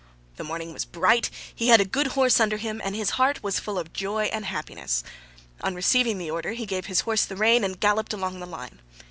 The morning was bright, he had a good horse under him, and his heart was full of joy and happiness. On receiving the order he gave his horse the rein and galloped along the line.